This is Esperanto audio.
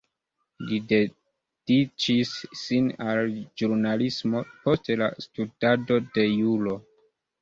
Li dediĉis sin al ĵurnalismo post studado de juro.